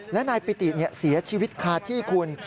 และนายปิติเสียชีวิตคาที่คุณ